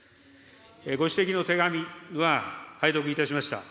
ご指摘の手紙は拝読いたしました。